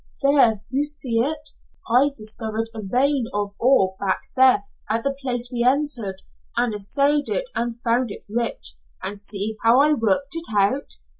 "There you see it. I discovered a vein of ore back there at the place we entered, and assayed it and found it rich, and see how I worked it out!